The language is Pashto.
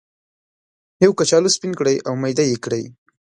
یو کچالو سپین کړئ او میده یې کړئ.